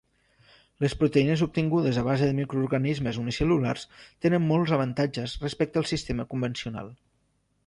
Les proteïnes obtingudes a base de microorganismes unicel·lulars tenen molts avantatges respecte al sistema convencional.